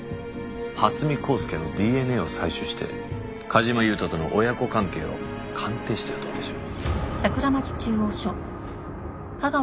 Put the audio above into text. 蓮見光輔のＤＮＡを採取して梶間優人との親子関係を鑑定してはどうでしょう？